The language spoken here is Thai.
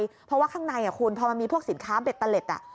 เพราะว่าข้างในคุณพอมันมีพวกสินค้าเบตเตอร์เล็ต